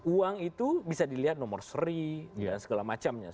uang itu bisa dilihat nomor seri dan sebagainya